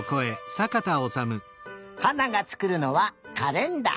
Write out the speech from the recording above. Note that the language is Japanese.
はながつくるのはカレンダー。